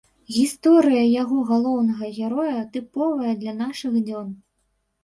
Гісторыя яго галоўнага героя тыповая для нашых дзён.